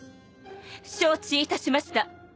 承知いたしました。